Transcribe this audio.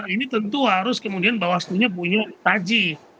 ini tentu harus kemudian bawaslu nya punya taji